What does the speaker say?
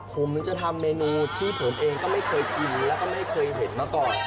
ผมจะทำเมนูที่ผมเองก็ไม่เคยกินแล้วก็ไม่เคยเห็นมาก่อน